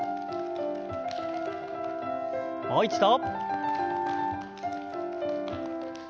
もう一度。